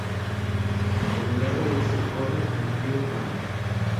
En el lado oeste corre el río Kamp.